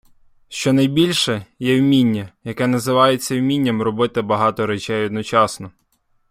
Щобільше, є вміння, яке називається вмінням робити багато речей одночасно.